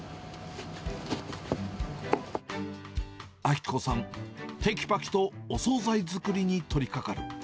明子さん、てきぱきとお総菜作りに取りかかる。